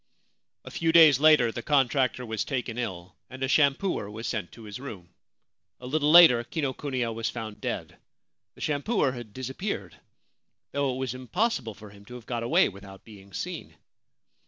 A few days later the contractor was taken ill, and a shampooer was sent to his room. A little later Kinokuniya was found dead ; the shampooer had disappeared, though it was im possible for him to have got away without being seen